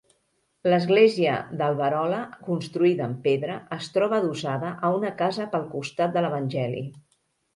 L'església d'Alberola, construïda en pedra, es troba adossada a una casa pel costat de l'Evangeli.